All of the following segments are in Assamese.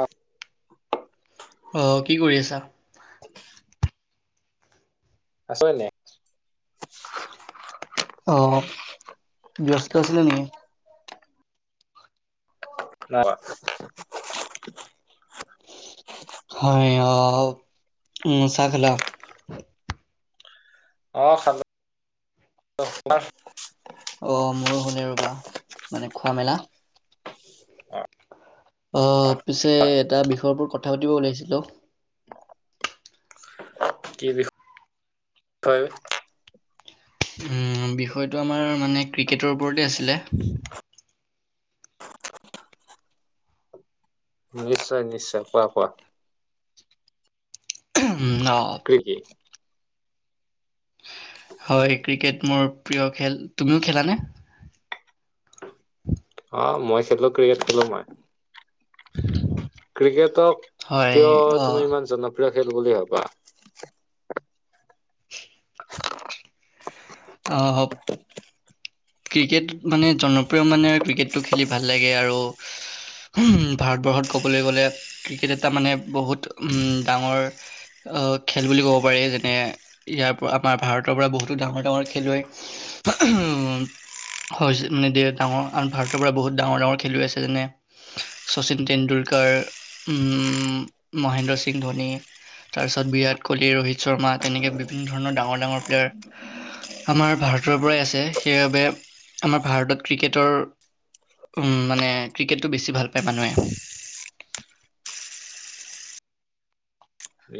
অ'। অ', কি কৰি আছা? আছোঁ এনেই। অ', ব্যস্ত আছিলা নেকি? [unintelligible] হয়, অ', উম, চাহ খালা? অ', খালোঁ [unintelligible] অ', মোৰো হ'লেই ৰ'বা, মানে খোৱা মেলা। অ', পিছে এটা বিষয়ৰ ওপৰত কথা পাতিব ওলাইছিলো। কি বিষ [inaudible] ষয়। উম, বিষয়টো আমাৰ মানে ক্ৰিকেটৰ ওপৰতেই আছিলে। নিশ্চয় নিশ্চয়, কোৱা কোৱা। হুহ, অ'। ডিউতি। হয়, ক্ৰিকেট মোৰ প্ৰিয় খেল, তুমিও খেলানে? অ মই খেলো। ক্ৰিকেট খেলো মই। ক্ৰিকেটক হয় কিয় অহ তুমি ইমান জনপ্ৰিয় খেল বুলি ভাবা? অ। হ ক্ৰিকেট মানে জনপ্ৰিয় মানে ক্ৰিকেটটো খেলি ভাল লাগে আৰু। [unintelligible] ভাৰতবৰ্ষত ক'বলে গ'লে ক্ৰিকেট এটা মানে বহুত উম ডাঙৰ অহ খেল বুলি ক'ব পাৰি। যেনে, ইয়াৰ পৰা আমাৰ ভাৰতৰ পৰা বহুতো ডাঙৰ ডাঙৰ খেলুৱৈ [unintelligible] হয়। মানে ডাঙৰ ভাৰতৰ পৰা বহুত ডাঙৰ ডাঙৰ খেলুৱৈ আছে। যেনে শচীন টেণ্ডুলোকাৰ উম মহেন্দ্ৰ সিং ধনী। তাৰপিছত বিৰাট কোহলি, ৰোহিত শৰ্মা তেনেকে বিভিন্ন ধৰণ ডাঙৰ ডাঙৰ প্লেয়াৰ। আমাৰ ভাৰতৰ পৰাই আছে। সেইবাবে আমাৰ ভাৰতত ক্ৰিকেটৰ উম, মানে ক্ৰিকেটটো বেছি ভাল পায় মানুহে।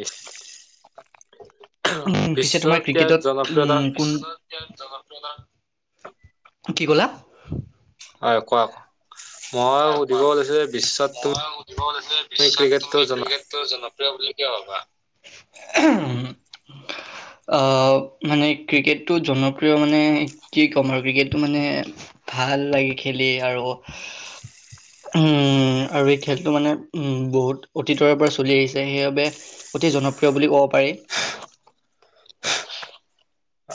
ইছ। উম। পিছে তোমাৰ এতিয়া ক্ৰিকেটত জনপ্ৰিয়তা উ কোন [unintelligible] কি ক'লা? হয়। কোৱা কো মই সুধিব ওলাইছো যে বিশ্বত তু তুমি ক্ৰিকেটটো জনা টো জনপ্ৰিয় বুলি কিয় ভাবা? আহ মানে ক্ৰিকেটটো জনপ্ৰিয় মানে। কি ক'ম আৰু ক্ৰিকেটটো মানে ভাল লাগে খেলি আৰু। উম আৰু এই খেলটো মানে উম বহুত অতীতৰে পৰা চলি আহিছে। সেইবাবে অতি জনপ্ৰিয় বুলি ক'ব পাৰি।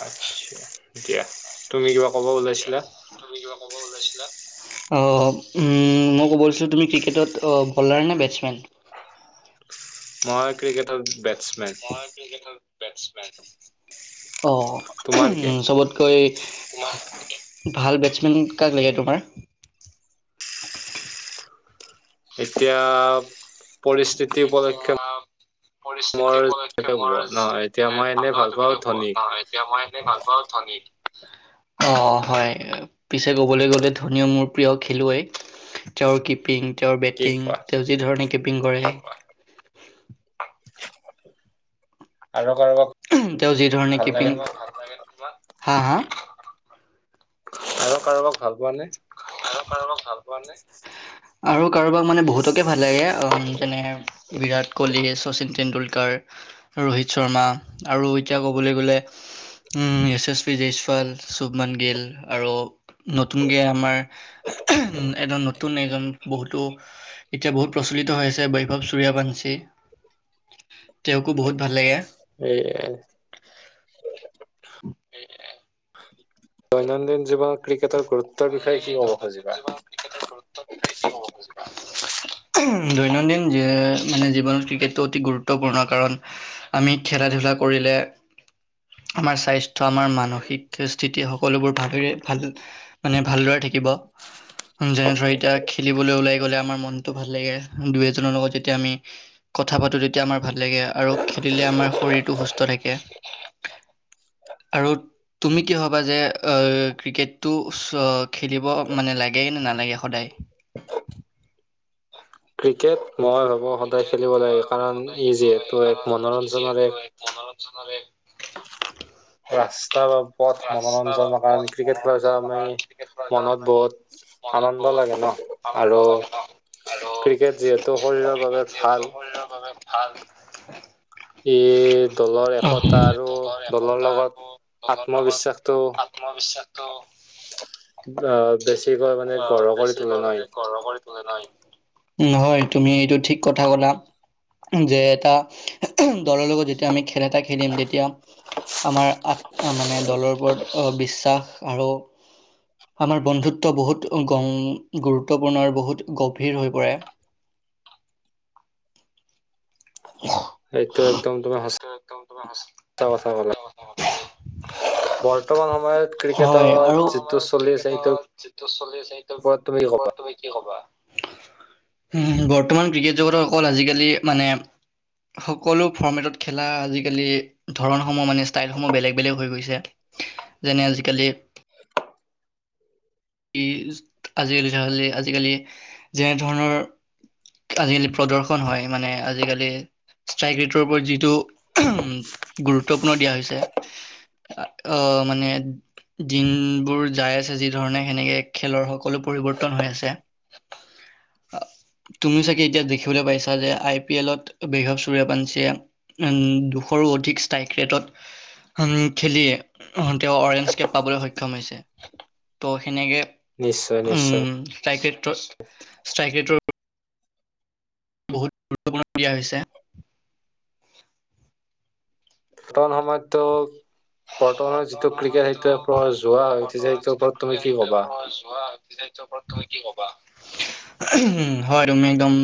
আচ্ছা, দিয়া। তুমি কিবা ক'ব ওলাইছিলা? তুমি কিবা ক'ব ওলাইছিলা? অঁ। উম, ম ক'ব লৈছিলোঁ তুমি ক্ৰিকেটত অ বলাৰ নে বেটছমেন? মই ক্ৰিকেটৰ বেটচ মই ক্ৰিকেতৰ বেটচমেন, অ তোমাৰ কি উম চবতে কৈ ভাল বেটছমেন কাক লাগে তোমাৰ? এতিয়া পৰিস্থিত এতিয়া পৰিস্থিতি উপলক্ষে হ'ব মোৰ ন এতিয়া [unintelligible] মই এনে ভাল লগা [unintelligible] পাওঁ ধনীক এতিয়া মই এনে ভাল পাওঁ ধনীক। অ, হয়। পিছে কবলৈ গ'লে ধনীও মোৰ প্ৰিয় খেলুৱৈ। তেওঁৰ কিপিং, তেওঁৰ কি বেটিং, কোৱা তেওঁ যি ধৰণে কিপিং কৰে। আৰু কাৰোবাক তেওঁ যি ধৰণে ভাল লাগে কিপিং, নে? হা হা। আৰু কাৰোবাক ভাল পোৱা নে? আৰু কাৰোবাক ভাল পোৱা নে? আৰু কাৰোবাক মানে বহুতকে ভাল লাগে। যেনে বিৰাট কোহলি, শচীন টেণ্ডুলকাৰ, ৰোহিত শৰ্মা আৰু এতিয়া কবলে গলে S S P Jaiswal, Shubman Gill আৰু নতুনকে আমাৰ উম, এজন নতুন এজন বহুতো এতিয়া বহুত প্ৰচলিত হৈ আছে বৈভৱ চূুৰ্য্যপঞ্চী। তেওঁকো বহুত ভাল লাগে। এ [inaudible] দৈনন্দিন জীৱনত ক্ৰিকেটাৰ [unintelligible] তুমি দৈনন্দিন জীৱনত ক্ৰিকেটৰ গুৰুত্বক লৈ কি ক'ব খোজা? দৈনন্দিন জী মানে জীৱনত ক্ৰিকেটটো অতি গুৰুত্বপূৰ্ণ। কাৰণ আমি খেলা ধূলা কৰিলে আমাৰ স্বাস্থ্য আমাৰ মানসিক স্থিতি সকলোবোৰ ভালৰে ভাল মানে ভালদৰে থাকিব। যেনে ধৰ এতিয়া খেলিবলৈ ওলাই গ'লে আমাৰ মনটো ভাল লাগে। দুই এজনৰ লগত যেতিয়া আমি কথা পাতো তেতিয়া আমাৰ ভাল লাগে আৰু খেলিলে আমাৰ শৰীৰটো সুস্থ থাকে। আৰু তুমি কি ভাবা যে অ' ক্ৰিকেটো [unintelligible] খেলিব মানে লাগে নে নালাগে সদায়? ক্ৰিকেট মই ভাবোঁ সদায় খেলিব লাগে। কাৰণ ই যিহেতু এক মনোৰঞ্জনৰ এক মনোৰঞ্জনৰ এক ৰাস্তা বা পথ মনোৰঞ্জনৰ কাৰণে ক্ৰিকেট [unintelligible] মনত বহুত আনন্দ লাগে ন আৰু ক্ৰিকেট যিহেতু শৰীৰৰ বাবে ভাল। ভাল। ই দলৰ একতা আৰু দলৰ লগত দলৰ লগত আত্মবিশ্বাসটো আত্মবিশ্বাসটো আহ বেছিকৈ মানে অ', গঢ় কৰি তোলে বেছিকৈ ন মানে গঢ় হয়, তুমি এইটো ঠিক কথা ক'লা। যে এটা দলৰ লগত যেতিয়া আমি খেল এটা খেলিম তেতিয়া আমাৰ আত আ মানে দলৰ ওপৰত বিশ্বাস আৰু আমাৰ বন্ধুত্ব বহুত গম গুৰুত্বপূৰ্ণ আৰু বহুত গভীৰ হৈ পৰে। [inaudible] এইটো একদম তোমাৰ সচাঁ কথা কলা। [inaudible] বৰ্তমান সময়ত ক্ৰিকেটত হয়, আৰু যিটো আমাৰ চলি আছে ক্ৰিকেটত সেইটোৰ যিটো চলি আছে ওপৰত কি ক'বা তুমি কি কবা? বৰ্তমান ক্ৰিকেট জগতৰ অকল আজিকালি মানে সকলো ফৰ্মেটত খেলা আজিকালি ধৰণসমূহ মানে ষ্টাইলসমূহ বেলেগ বেলেগ হৈ গৈছে। যেনে আজিকালি ই আজিকালি ধৰ আজিকালি যেনেধৰণৰ আজিকালি প্ৰদৰ্শন হয় মানে আজিকালি ষ্ট্ৰাইক ৰেটৰ ওপৰত যিটো উম গুৰুত্বপূৰ্ণ দিয়া হৈছে। অ', মানে দিনবোৰ যায় আছে যি ধৰণে। সেনেকে খেলৰ সকলো পৰিৱৰ্তন হৈ আছে। তুমি চাগে এতিয়া দেখিবলৈ পাইছা যে আই পি এলত বৈভৱ সূৰ্য্যবংশীয়ে উম, দুশৰো অধিক ষ্টাইক ৰেটত হম, খেলিয়ে অ' তেওঁ অৰেঞ্জ কেপ পাবলৈ সক্ষম হৈছে। ত' সেনেকে নিশ্চয় নিশ্চয় উম ষ্ট্ৰাইক ৰেটত ষ্ট্ৰাইক ৰেটৰ বহুত গুৰুত্বপূৰ্ণ দিয়া হৈছে। সময়ত তোক বৰ্তমানৰ যিটো ক্ৰিকেট সেইটো যোৱা উঠিছে সেইটোৰ ওপৰত তুমি কি কবা? যোৱা এই ৰাজ্য ওপৰত তুমি কি কবা হয় তুমি একদম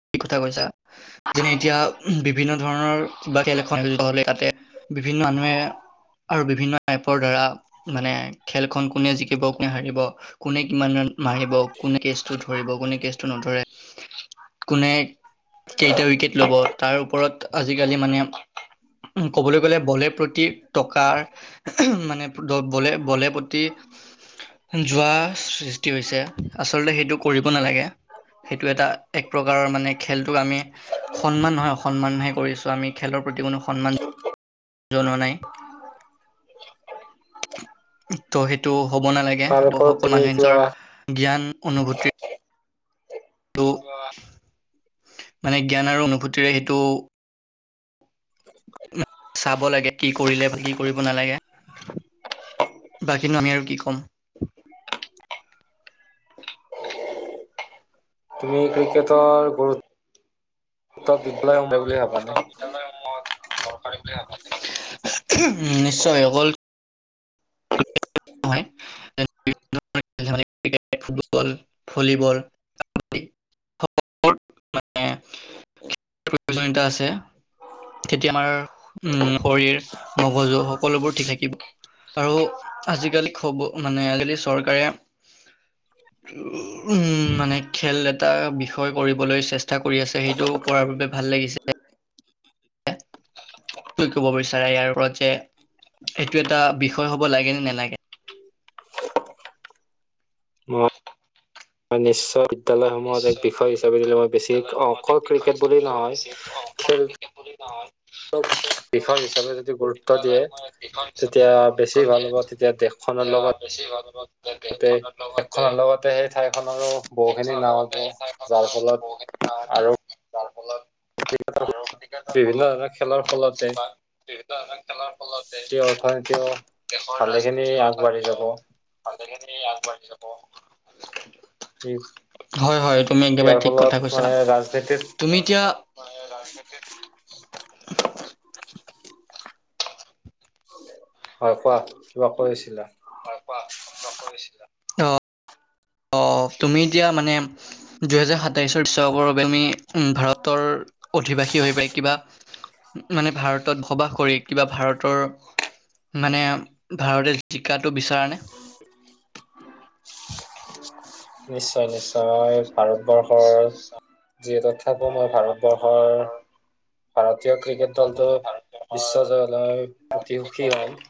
সঠিক কথা কৈছা। যেনে এতিয়া বিভিন্ন ধৰণৰ কিবা খেল এখন খেল হলে তাতে বিভিন্ন মানুহে আৰু বিভিন্ন টাইপৰ ধৰা মানে খেলখন কোনে জিকিব কোনে হাৰিব কোনে কিমান ৰান মাৰিব কোনে কেচটো ধৰিব কোনে কেচটো নধৰে। কোনে কেইটা উইকেট ল'ব তাৰ ওপৰত আজিকালি মানে উ ক'বলৈ গ'লে বলে প্ৰতি টকাৰ ঊম মানে দ বলে বলে প্ৰতি জোৱা সৃষ্টি হৈছে আচলতে সেইটো কৰিব নালাগে সেইটো এটা এক প্ৰকাৰৰ মানে খেলটোক আমি সন্মান নহয় অসন্মানহে কৰিছোঁ আমি খেলৰ প্ৰতি কোনো সন্মান জনোৱা নাই ত' সেইটো হ'ব নালাগে তাৰ সেইটো ওপৰত সকলো তুমি মানুহে কিবা নিজৰ জ্ঞান অনুভূতিৰ টো মানে জ্ঞান আৰু অনুভূতিৰে সেইটো চাব লাগে কি কৰিলে বা কি কৰিব নালাগে বাকীনো আমি আৰু কি ক'ম তুমি ক্ৰিকেটৰ গুৰুত্ব [unintelligible] হয় বুলি ভাবা নে মই দৰকাৰী বুলি ভাবো ঊম নিশ্চয় হল [unintelligible] ফুটবল ভলীবল মানে প্ৰয়োজনীতা আছে তেতিয়া আমাৰ উম শৰীৰ মগজু সকলোবোৰ ঠিক থাকিব আৰু আজিকালি খব মানে আজিকালি চৰকাৰে উম মানে খেল এটা বিষয় কৰিব বলৈ চেষ্টা কৰি আছে সেইটো কৰাৰ বাবে ভাল লাগিছে কি কব বিচাৰে ইয়াৰ ওপৰত যে এইটো এটা বিষয় হব লাগে নে নালাগে হয় নিশ্চয় বিদ্যালয়সমূহত এক বিষয় হিচাপে দিলে মই বেছি অকল ক্ৰিকেট বুলি নহয় খেল বিষয় হিচাপে যদি গুৰুত্ব দিয়ে তেতিয়া বেছি ভাল হ'ব তেতিয়া দেশ খনৰ লগত বেছি ভাল হব দেশখনৰ লগতে সেই ঠাইখনৰো বহুখিনি নাম হ'ব লগতে যাৰ ঠাইখনৰো ফলত বহুত যাৰ ফলত বিভিন্ন বিভিন্ন ধৰণৰ খেলৰ ফলতে বিভিন্ন ধৰনৰ খেলৰ ফলতে এই অৰ্থনীতিও দেশৰ ভালেখিনি ৰাজনীতি অৰ্থাৎ আগবাঢ়ি যাব ই হয় হয় তুমি ইয়াৰ একেবাৰে ঠিক ফলত কথা কৈছা মানে ৰাজনীতিত তুমি এতিয়া হয় এই ৰাজনীতি হয় কোৱা কিবা কৈ আছিলা হয় কোৱা কিবা কৈ আছিলা অ তুমি এতিয়া মানে দুহেজাৰ সাতাইছৰ বিশ্বকাপৰ বাবে আমি উম ভাৰতৰ অধিবাসী হৈ পাই কিবা মানে ভাৰতত বসবাস কৰি কিবা ভাৰতৰ মানে ভাৰতে জিকাটো বিচাৰা নে [unintelligible] নিশ্চয় নিশ্চয় ভাৰতবৰ্ষৰ যিহেতো থাকোঁ মই ভাৰতবৰ্ষৰ ভাৰতীয় ক্ৰিকেট দলটো বিশ্ব জয় লয় অতি সুখী হম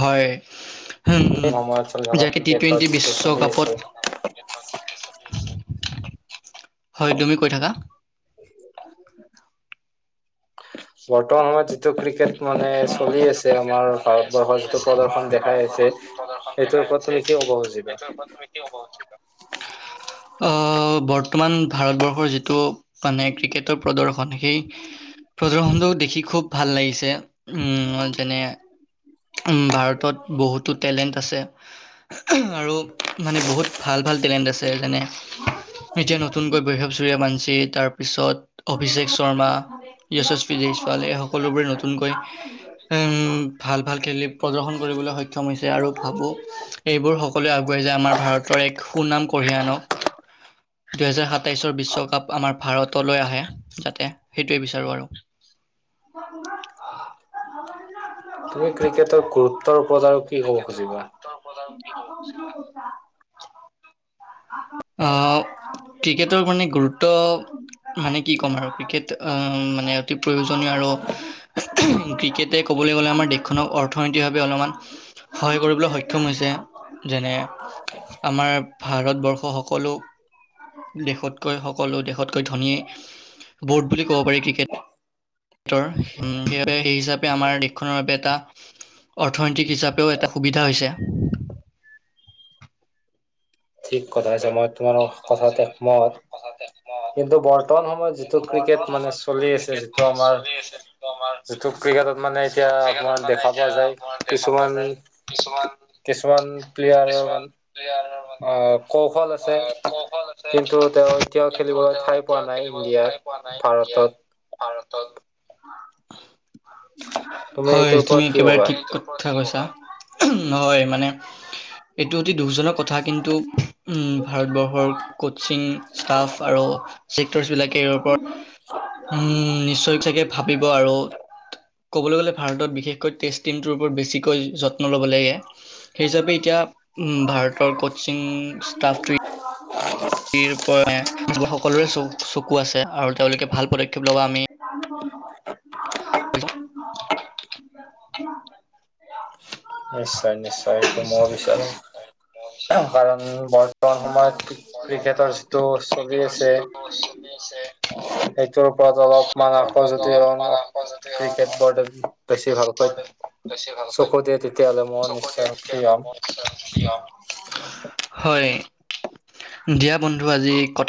হয় উম সময়ত চলি থকা যোৱা টি ক্ৰিকেটত টুৱেণ্টি যিটো চলি বিশ্বকাপত আছে হয় তুমি কৈ থাকা। বৰ্তমান সময়ত যিটো ক্ৰিকেট টো মানে চলি আছে আমাৰ ভাৰতবৰ্ষৰ যিটো প্ৰদৰ্শন দেখাই আছে এইটোৰ ওপৰত তুমি কি ক'ব খুজিবা? আহ বৰ্তমান ভাৰতবৰ্ষৰ যিটো মানে ক্ৰিকেটৰ প্ৰদৰ্শন সেই প্ৰদৰ্শনটো দেখি খুব ভাল লাগিছে। উম মই যেনে উম ভাৰতত বহুতো টেলেণ্ট আছে। উ হু আৰু মানে বহুত ভাল - ভাল টেলেণ্ট আছে যেনে এতিয়া নতুনকৈ বৈশৱ চুুৰীয়াবাঞ্চী তাৰপিছত অভিষেক শৰ্মা য়শস্বী জয়ছৱালে এই সকলোবোৰে নতুনকৈ উম ভাল ভাল খেলি প্ৰদৰ্শন কৰিবলৈ সক্ষম হৈছে আৰু ভাবোঁ এইবোৰ সকলোৱে আগুৱ়াই যায়, আমাৰ ভাৰতৰ এক সুনাম কঢ়িয়াই আনক। দুহেজাৰ সাতাইশৰ বিশ্বকাপ আমাৰ ভাৰতলৈ আহে যাতে সেইটোৱে বিচাৰো আৰু। অ শুনক? অ। [unintelligible] তুমি ক্ৰিকেটত গুৰুত্বৰ [unintelligible] ক্ৰিকেটৰ খুজিবা? গুৰুত্বৰ প্ৰদানক কি কব খুজিবা? আহ, ক্ৰিকেটৰ মানে গুৰুত্ব মানে কি ক'ম আৰু ক্ৰিকেট আ মানে অতি প্ৰয়োজনীয় আৰু উহুম, ক্ৰিকেটে ক'বলৈ গ'লে আমাৰ দেশখনক অৰ্থনৈতিকভাৱে অলপমান সহায় কৰিবলৈ সক্ষম হৈছে। যেনে আমাৰ ভাৰতবৰ্ষ সকলো দেশতকৈ সকলো দেশতকৈ ধনীয়ে বৰ্ড বুলি ক'ব পাৰি ক্ৰিকেট টৰ হুম সেইবাবে সেই হিচাপে আমাৰ দেশখনৰ বাবে এটা অৰ্থনৈতিক হিচাপেও এটা সুবিধা হৈছে। ঠিক কথা কৈছে মই তোমাৰ কথাত একমত কিন্তু বৰ্তমান সময়ত যিটো ক্ৰিকেট মানে চলি আছে যি টো আমাৰ যিটো ক্ৰিকেটত মানে এতিয়া আপোনাৰ দেখা পোৱা যায়। কিছুমান কিছুমান কিছুমান প্লেয়াৰ মানে অ কৌশল আছ অ কৌশল আছে কিন্তু খেলিবলৈ তেওঁ ঠাই পোৱা এতিয়া নাই খেলিব ঠাই ইণ্ডিয়াত পোৱা নাই ইয়াত। ভাৰতত ভাৰতত। তুমি হয় এইটোৰ তুমি ওপৰত কি একেবাৰে ক'বা? ঠিক কথা কৈছ থা উহম হয় মানে এইটো অতি দুখজনক কথা কিন্তু উম বৰ্ষৰ কচিং ষ্টাফ আৰু ছেক্টৰছবিলাকে এই ওপৰ উম নিশ্চয় চাগে ভাবিব আৰু? ক'বলৈ গ'লে ভাৰতত বিশেষকৈ টেষ্ট টিমটোৰ ওপৰত বেছিকৈ যত্ন ল'ব লাগে। সেই হিচাপে এতিয়া উম ভাৰতৰ কচিং ষ্টাফটো [unintelligible] সকলোৰে চ চকু আছে আৰু তেওঁলোকে ভাল পদক্ষেপ লব আমি [unintelligible] হেল্ল? [inaudible] নিশ্চয় নিশ্চয় এইটো মই বিচাৰো। আহ কাৰণ বৰ্তমান সময়ত ক্ৰী ক্ৰিকেটৰ যিটো চলি আছে লি আছে। সেইটোৰ ওপৰত অলপমান আকৌ যদি হয় ন ক্ৰিকেট বৰ্ডদি বেছি ভালকৈ, চকু দিয়ে তেতিয়াহ'লে মই নিশ্চয় সুখী হ'ম। হয়। দিয়া বন্ধু আজি কথা-